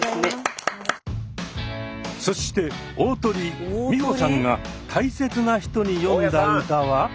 そして大トリ美穂さんが「大切な人」に詠んだ歌は。